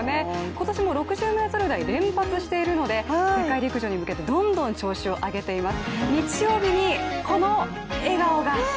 今年も６０ｍ台連発しているので世界陸上に向けてどんどん調子を上げています